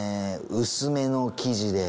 薄めの生地で。